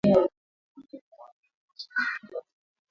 weka kijiko kimoja cha unga ngano